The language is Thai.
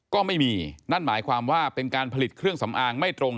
ก็ไม่มีนั่นหมายความว่าเป็นการผลิตเครื่องสำอางไม่ตรง